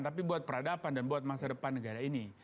tapi buat peradaban dan buat masa depan negara ini